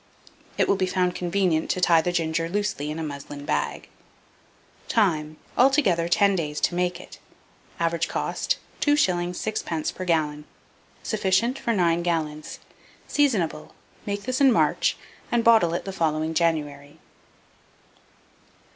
It will be found convenient to tie the ginger loosely in a muslin bag. Time. Altogether, 10 days to make it. Average cost, 2s. 6d. per gallon. Sufficient for 9 gallons. Seasonable. Make this in March, and bottle it the following January.